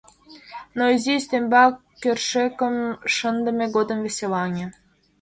Но изи ӱстембак кӧршӧкшым шындыме годым веселаҥе: